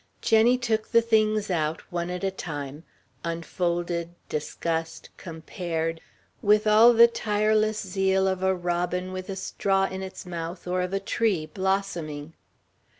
Jenny took the things out, one at a time, unfolded, discussed, compared, with all the tireless zeal of a robin with a straw in its mouth or of a tree, blossoming.